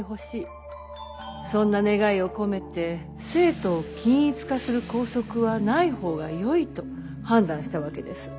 そんな願いを込めて生徒を均一化する校則はない方がよいと判断したわけです。